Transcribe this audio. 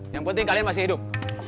yang penting kalian masih hidup